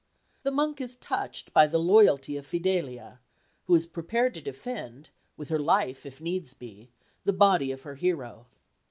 The monk is touched by the loyalty of Fidelia, who is prepared to defend, with her life if needs be, the body of her hero.